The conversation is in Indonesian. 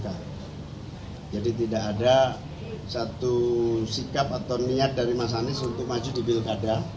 karena tidak ada satu sikap atau niat dari mas anies untuk maju di bilkada